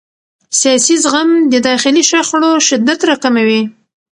سیاسي زغم د داخلي شخړو شدت راکموي